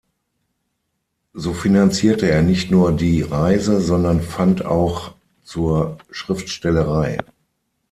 So finanzierte er nicht nur die Reise, sondern fand auch zur Schriftstellerei.